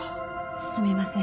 すみません。